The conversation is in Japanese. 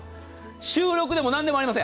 収録でも何でもありません。